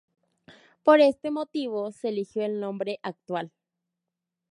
Por este motivo, se eligió el nombre actual.